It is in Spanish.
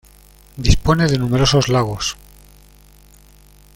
Dispone de numerosos lagos.